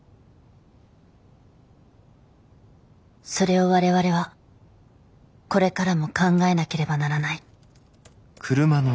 それを我々はこれからも考えなければならない。